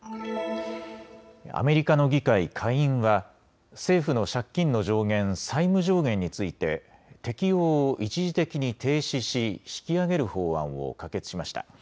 アメリカの議会下院は政府の借金の上限、債務上限について適用を一時的に停止し引き上げる法案を可決しました。